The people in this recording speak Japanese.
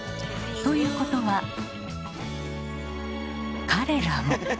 ということは彼らも。